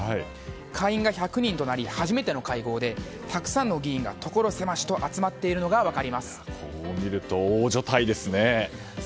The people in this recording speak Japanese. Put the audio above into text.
会員が１００人となり初めての会合でたくさんの議員がところ狭しと集まっているのがこう見ると大所帯ですね。